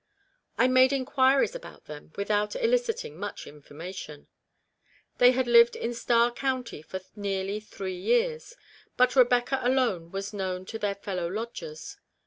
I made inquiries about them without eliciting much information. They had 2i6 REBECCAS REMORSE. lived in Star Court for nearly three years, but Rebecca alone was known to their fellow lodgers.